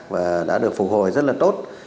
và đã được phục hồi rất là tốt